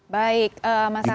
baik mas afiq